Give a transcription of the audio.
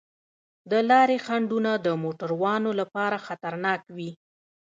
د لارې خنډونه د موټروانو لپاره خطرناک وي.